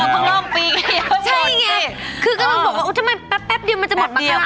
ครับเพราะลองปีกี้ทีเพื่อเขาหมดสิคือเกินมาบอกวั๊กทำไมแป๊บเดี๋ยวจะหมดปากราครแล้วค่ะ